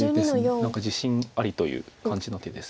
何か自信ありという感じの手です。